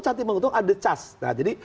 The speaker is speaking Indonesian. saksi yang menguntungkan ada cas nah jadi